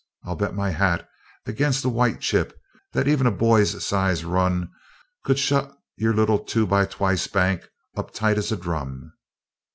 I'll bet my hat against a white chip that even a boys' size 'run' could shut your little two by twice bank up tight as a drum!"